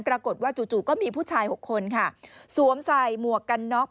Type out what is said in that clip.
ปรากฏว่าจู่ก็มีผู้ชาย๖คนค่ะสวมใส่หมวกกันน็อก